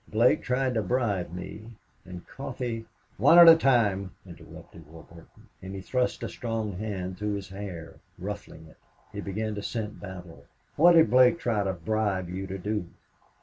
"Blake tried to bribe me, and Coffee " "One at a time," interrupted Warburton, and he thrust a strong hand through his hair, ruffling it. He began to scent battle. "What did Blake try to bribe you to do?"